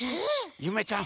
ゆめちゃん